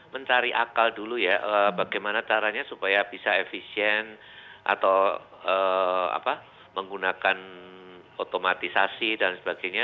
mencari akal dulu ya bagaimana caranya supaya bisa efisien atau menggunakan otomatisasi dan sebagainya